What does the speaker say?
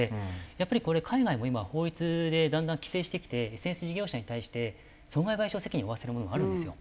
やっぱりこれ海外も今は法律でだんだん規制してきてＳＮＳ事業者に対して損害賠償責任を負わせるものがあるんですよ。